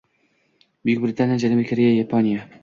Buyuk Britaniya, Janubiy Koreya, Yaponiya